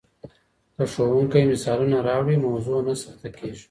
که ښوونکی مثالونه راوړي، موضوع نه سخته کیږي.